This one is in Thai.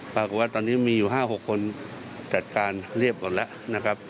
ปรากฏว่าตอนนี้มีอยู่๕๖คนจัดการเรียบหมดแล้วนะครับ